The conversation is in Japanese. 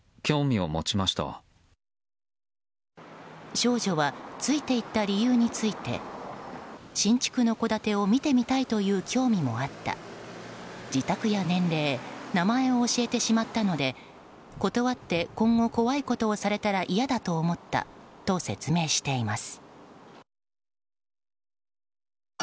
少女はついて行った理由について新築の戸建てを見てみたいという興味もあった自宅や年齢、名前を教えてしまったので断って今後、怖いことをされたら嫌だと思ったと説明しています。